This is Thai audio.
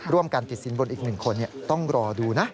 ร่วมการติดสินบนอีกหนึ่งคนต้องรอดูนะ